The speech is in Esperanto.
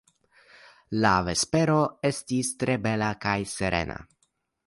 La vespero estis tre bela kaj serena.